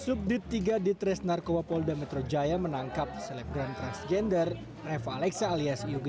subdit tiga ditres narkoba polda metro jaya menangkap selebgram transgender reva alexa alias yoge